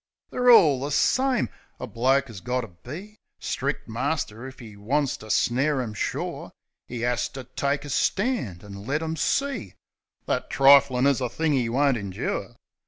They're all the same! A man 'as got to be Stric' master if 'e wants to snare 'em sure. 'E 'as to take a stand an' let 'em see That triflin' is a thing 'e won't indure.